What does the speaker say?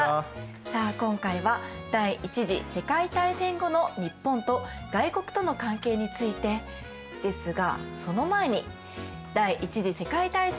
さあ今回は第一次世界大戦後の日本と外国との関係についてですがその前に第一次世界大戦までを振り返ってみましょう。